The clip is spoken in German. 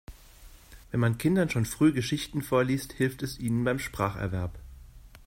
Wenn man Kindern schon früh Geschichten vorliest, hilft es ihnen beim Spracherwerb.